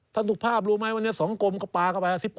ท่านทุกภาพรู้ไหมว่าเนี่ย๒กลมกับปลากลับไป